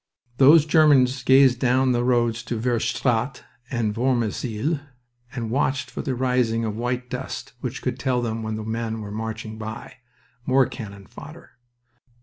Those Germans gazed down the roads to Vierstraat and Vormizeele, and watched for the rising of white dust which would tell them when men were marching by more cannon fodder.